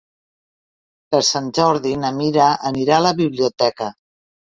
Per Sant Jordi na Mira anirà a la biblioteca.